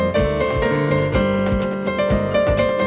สวัสดีครับ